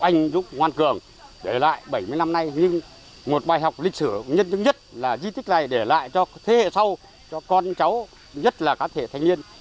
nhưng nhất là di tích này để lại cho thế hệ sau cho con cháu nhất là các thế hệ thanh niên